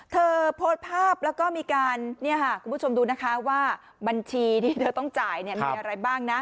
เธอโพสต์ภาพแล้วก็มีการคุณผู้ชมดูนะคะว่าบัญชีที่เธอต้องจ่ายมีอะไรบ้างนะ